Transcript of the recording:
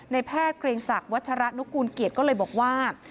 แพทย์เกรงศักดิ์วัชระนุกูลเกียรติก็เลยบอกว่า